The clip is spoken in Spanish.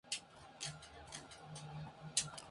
Esto se calcula para ser igual a